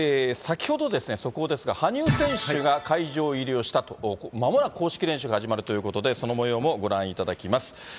先ほどですね、速報ですが、羽生選手が会場入りをしたと、まもなく公式練習が始まるということで、そのもようもご覧いただきます。